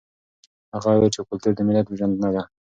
هغه وویل چې کلتور د ملت پېژندنه ده.